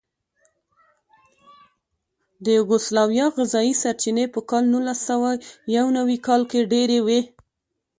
د یوګوسلاویا غذایي سرچینې په کال نولسسوهیونوي کال کې ډېرې وې.